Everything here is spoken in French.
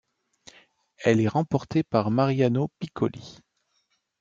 Elle est remportée par Mariano Piccoli.